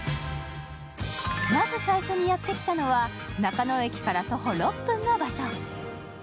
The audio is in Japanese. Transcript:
まず最初にやってきたのは、中野駅から徒歩６分の場所。